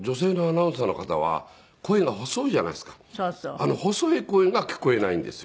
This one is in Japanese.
あの細い声が聞こえないんですよ。